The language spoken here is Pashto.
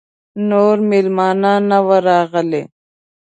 نور مېلمانه نه وه راغلي.